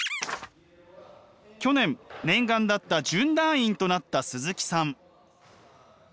去年念願だった準団員となった鈴木さん。